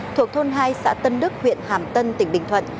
thuộc thôn hai xã tân đức huyện hàm tân tỉnh bình thuận